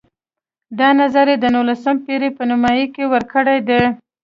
دا نظر یې د نولسمې پېړۍ په نیمایي کې ورکړی دی.